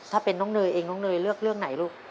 ถ้าเป็นน้องเนยเองน้องเนยเลือกเรื่องไหนลูก